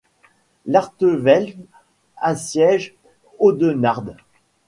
Artevelde assiège Audenarde.